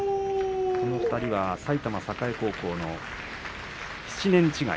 この２人は埼玉栄高校の７年違い。